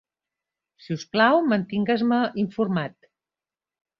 Si us plau, mantingues-me informat.